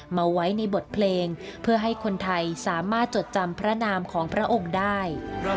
มาไว้ในบทเพลงเพื่อให้คนไทยสามารถจดจำพระนามของพระองค์ได้